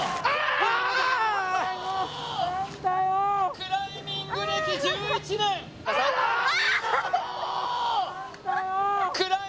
クライミング歴１１年あーっ！